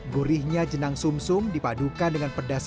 gurihnya jenang sum sum dipadukan dengan pedas